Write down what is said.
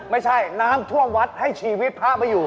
ไม่ใช่น้ำท่วมวัดให้ชีวิตพระไปอยู่